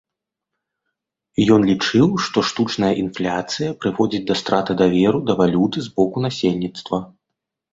Ён лічыў, што штучная інфляцыі прыводзіць да страты даверу да валюты з боку насельніцтва.